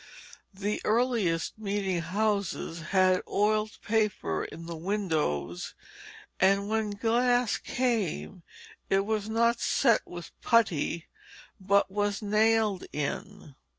The earliest meeting houses had oiled paper in the windows, and when glass came it was not set with putty, but was nailed in.